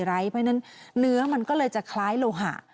เพราะฉะนั้นเนื้อมันก็เลยจะคล้ายโลหะ